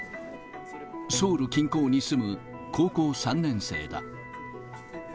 ソウル近郊に住む高校３年生だ。